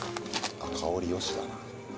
香りよしだ。